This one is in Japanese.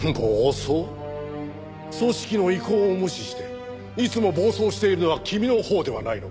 組織の意向を無視していつも暴走しているのは君のほうではないのかね？